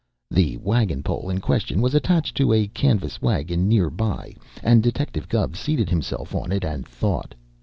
The wagon pole in question was attached to a canvas wagon near by, and Detective Gubb seated himself on it and thought.